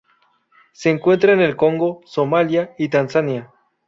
Se encuentra en el Congo, Somalia y Tanzania.